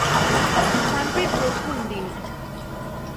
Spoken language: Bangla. ক্যাম্পের প্রথম দিন।